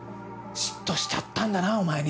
嫉妬しちゃったんだなぁお前に。